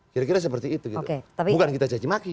kira kira seperti itu gitu